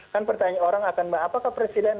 kan pertanyaan orang akan mbak apakah presiden